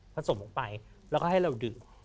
สมลงไปแล้วก็ให้เราดื่ม